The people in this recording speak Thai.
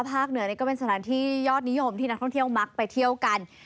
เหนือก็เป็นสถานที่ยอดนิยมที่นักท่องเที่ยวมักไปเที่ยวกัน